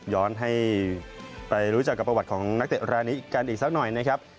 ให้ไปรู้จักกับประวัติของนักเตะรายนี้กันอีกสักหน่อยนะครับ